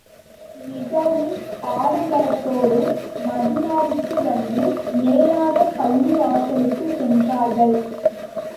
மிகவும் ஆடம்பரத்தோடு மதீனாவுக்கு வந்து, நேராகப் பள்ளிவாசலுக்குச் சென்றார்கள்.